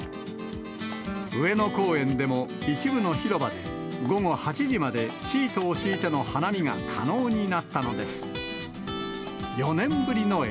上野公園でも一部の広場で、午後８時までシートを敷いての花見が可能になったのです。